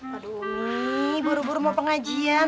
aduh umi baru baru mau pengajian